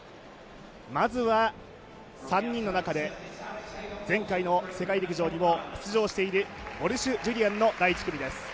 まずは、３人の中で前回の世界陸上にも出場しているウォルシュ・ジュリアンの第１組です。